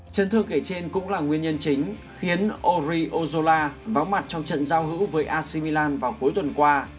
chấn thương kể trên cũng là nguyên nhân chính khiến odriozola vóng mặt trong trận giao hữu với ac milan vào cuối tuần qua